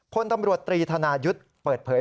พลตำรวจตรีธนายุทธ์เปิดเผย